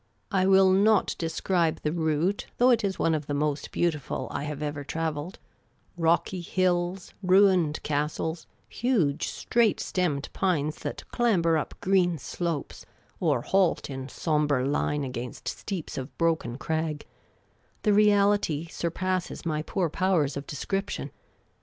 I will not describe the route, though it is one of the most beautiful I have ever travelled — rocky hills, ruined castles, huge, straight stemmed pines that clamber up green slopes, or halt in sombre line against steeps of broken crag — the reality surpasses my poor powers of description.